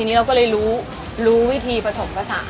แล้วเราก็เลยรู้รู้วิธีผสมภาษา